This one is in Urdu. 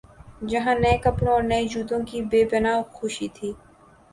جہاں نئے کپڑوں اورنئے جوتوں کی بے پنا ہ خوشی تھی۔